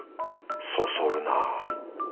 そそるな。